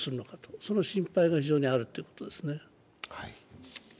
その心配が非常にあるということですね。